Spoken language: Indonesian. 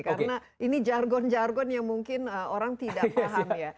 karena ini jargon jargon yang mungkin orang tidak paham